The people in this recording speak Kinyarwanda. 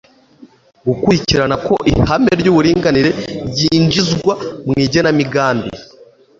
gukurikirana ko ihame ry'uburinganire ryinjizwa mu igenamigambi